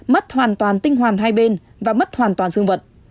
mất hoàn toàn tinh hoàn hai bên và mất hoàn toàn dương vật